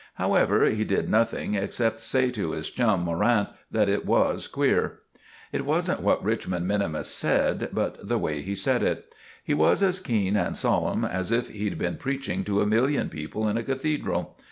However, he did nothing except say to his chum, Morant, that it was queer. It wasn't what Richmond minimus said, but the way he said it. He was as keen and solemn as if he'd been preaching to a million people in a cathedral.